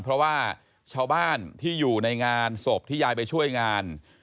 เพราะว่าชาวบ้านที่อยู่ในงานศพที่ยายไปช่วยงาน